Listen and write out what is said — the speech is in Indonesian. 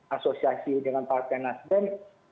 asosiasi dengan partai nasden